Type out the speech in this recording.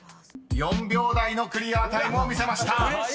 ［４秒台のクリアタイムを見せました］